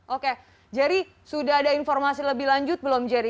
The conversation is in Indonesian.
oke jerry sudah ada informasi lebih lanjut belum jerry